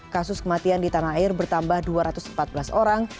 kasus kematian di tanah air bertambah dua ratus empat belas orang